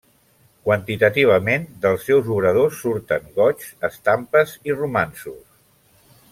Quantitativament, dels seus obradors surten goigs, estampes i romanços.